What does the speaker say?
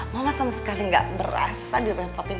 mama sama sekali gak berasa direpotin